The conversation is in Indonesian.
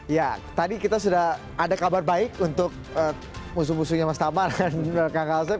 ya tadi kita sudah ada kabar baik untuk musuh musuhnya mas tamar dan kang kalsen